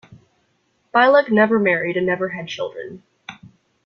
Bilac never married and never had children.